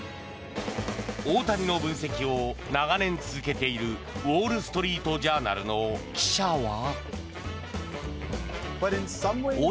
大谷の分析を長年続けているウォール・ストリート・ジャーナルの記者は。